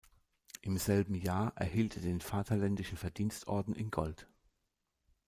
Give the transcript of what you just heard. Im selben Jahr erhielt er den Vaterländischen Verdienstorden in Gold.